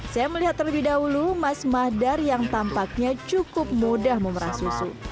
saya melihat terlebih dahulu mas mahdar yang tampaknya cukup mudah memerah susu